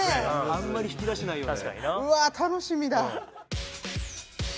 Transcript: あんまり引き出しないよね